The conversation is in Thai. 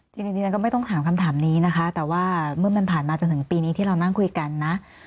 จริงดิฉันก็ไม่ต้องถามคำถามนี้นะคะแต่ว่าเมื่อมันผ่านมาจนถึงปีนี้ที่เรานั่งคุยกันนะ